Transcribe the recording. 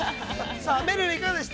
さあ、めるるいかがでした？